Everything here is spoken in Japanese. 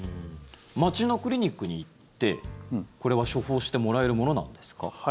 街のクリニックに行ってこれは処方してもらえるものなんですか？